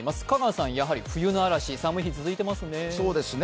香川さん、やはり冬の嵐、寒い日、続いてますね。